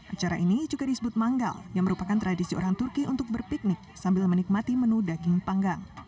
acara ini juga disebut manggal yang merupakan tradisi orang turki untuk berpiknik sambil menikmati menu daging panggang